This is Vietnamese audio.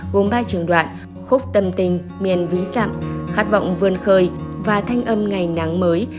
gồm ba trường đoạn khúc tâm tình miền ví dặm khát vọng vươn khơi và thanh âm ngày nắng mới